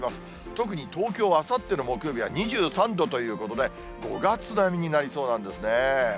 特に東京はあさっての木曜日は２３度ということで、５月並みになりそうなんですね。